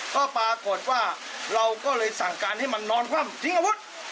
ก็ปรากฏว่าเราก็เลยสั่งการให้มันนอนคว่ำทิ้งอาวุธ